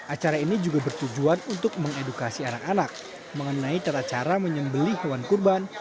acara ini juga bertujuan untuk mengedukasi anak anak mengenai cara cara menyembeli hewan kurban